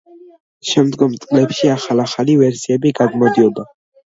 შემდგომ წლებში ახალ-ახალი ვერსიები გამოდიოდა.